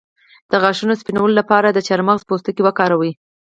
د غاښونو سپینولو لپاره د چارمغز پوستکی وکاروئ